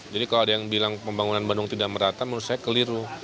jadi kalau ada yang bilang pembangunan bandung tidak merata menurut saya keliru